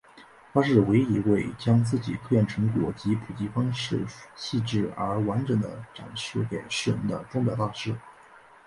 他是唯一一位将自己的科研成果以普及方式细致而完整地展现给世人的钟表大师。